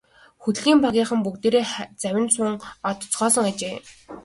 Хөлгийн багийнхан бүгдээрээ завинд суун одоцгоосон ажээ.